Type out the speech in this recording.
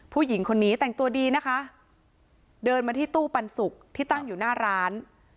ผู้หญิงคนนี้แต่งตัวดีนะคะเดินมาที่ตู้ปันสุกที่ตั้งอยู่หน้าร้าน